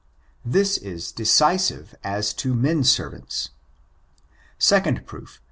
This is decisive as to men servants. Second proof.